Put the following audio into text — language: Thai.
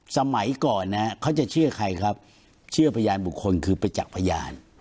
สมัยก่อนนะเขาจะเชื่อใครครับเชื่อพยานบุคคลคือประจักษ์พยาน